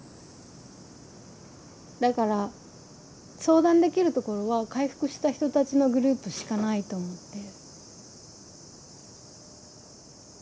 だから相談できるところは回復した人たちのグループしかないと思って。